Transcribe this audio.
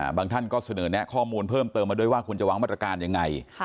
ท่านก็เสนอแนะข้อมูลเพิ่มเติมมาด้วยว่าควรจะวางมาตรการยังไง